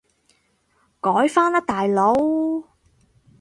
改返喇大佬